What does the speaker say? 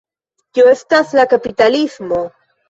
Kio estas la kapitalismo?